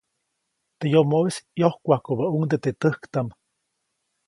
Teʼ yomoʼis ʼyojkwajkubäʼuŋde teʼ täjktaʼm.